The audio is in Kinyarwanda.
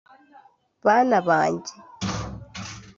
“Bana banjye